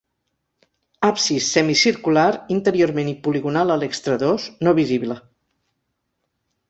Absis semicircular interiorment i poligonal a l'extradós, no visible.